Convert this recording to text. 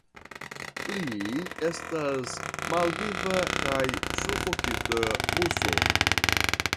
Li estas malviva kiel sufokita muso.